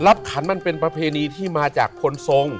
ขันมันเป็นประเพณีที่มาจากคนทรง